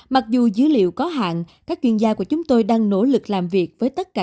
mặc dù dữ liệu có hạn các chuyên gia của chúng tôi đang nỗ lực làm việc với tất cả